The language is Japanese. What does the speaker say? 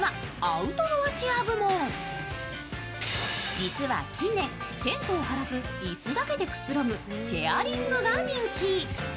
実は近年、テントを張らず、椅子だけでくつろぐチェアリングが人気。